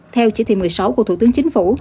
theo chỉ thị một mươi sáu của thủ tướng chính phủ